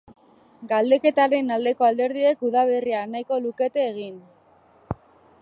Galdeketaren aldeko alderdiek udaberrian nahiko lukete egin.